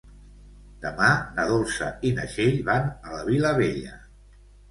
Demà na Dolça i na Txell van a la Vilavella.